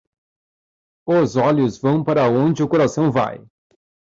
Os olhos vão para onde o coração vai.